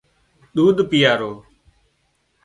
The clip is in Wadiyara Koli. ۮوڌ پيئارو